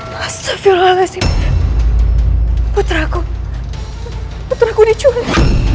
puteraku puteraku diculik